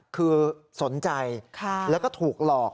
คือสนใจแล้วก็ถูกหลอก